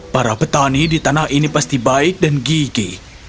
para petani di tanah ini pasti baik dan gigi